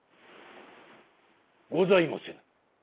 ございませぬ。